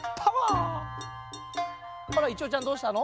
あらいてうちゃんどうしたの？